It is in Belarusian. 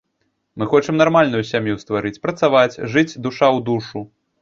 Мы хочам нармальную сям'ю стварыць, працаваць, жыць душа ў душу.